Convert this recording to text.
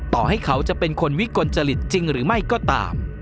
ต่อให้เขาจะเป็นคนวิกลจริตจริงหรือไม่ก็ตาม